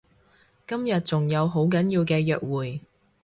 今日仲有好緊要嘅約會